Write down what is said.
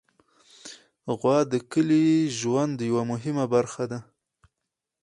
غوا د کلي ژوند یوه مهمه برخه ده.